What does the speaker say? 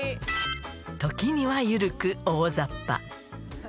時には緩く、大ざっぱ。